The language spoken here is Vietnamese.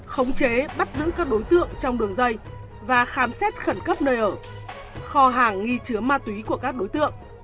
khống chế bắt giữ các đối tượng trong đường dây và khám xét khẩn cấp nơi ở kho hàng nghi chứa ma túy của các đối tượng